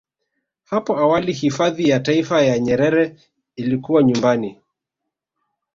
Hapo awali hifadhi ya Taifa ya Nyerere ilikuwa nyumbani